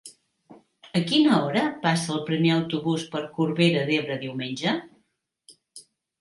A quina hora passa el primer autobús per Corbera d'Ebre diumenge?